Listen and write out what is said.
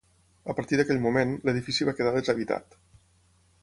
A partir d’aquell moment, l’edifici va quedar deshabitat.